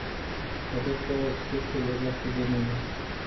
Aveți o obsesie legată de mine.